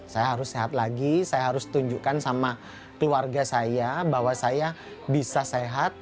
saya harus sehat lagi saya harus tunjukkan sama keluarga saya bahwa saya bisa sehat